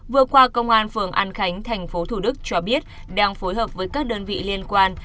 vừa qua công an phường an khánh thành phố thủ đức cho biết đang phối hợp với các đơn vị liên quan